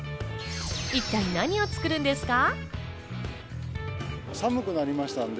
一体何を作るんですか？